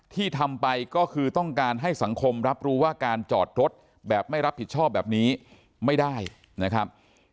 ที่ทำไปก็คือต้องการให้สังคมรับรู้ว่าการจอดรถแบบไม่รับผิดชอบแบบนี้ไม่ได้นะครับ